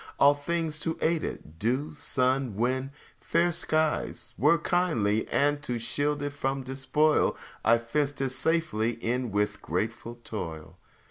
All things to aid it dew, sun, wind, fair skies Were kindly; and to shield it from despoil, I fenced it safely in with grateful toil.